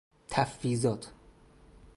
تفویضات